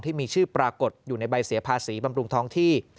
ที่มีชื่อปรากฏอยู่ในใบเสียภาษีบำรุงท้องที่